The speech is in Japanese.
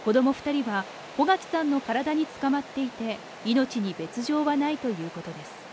子ども２人は穗垣さんの体につかまっていて、命に別状はないということです。